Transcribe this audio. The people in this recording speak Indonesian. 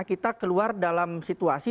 kita keluar dalam situasi